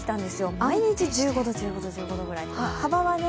毎日１５度、１５度、１５度くらい。